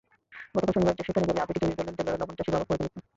গতকাল শনিবার সেখানে গেলে আবেগে জড়িয়ে ধরেন দেলোয়ারের লবণ চাষি বাবা ফরিদুল আলম।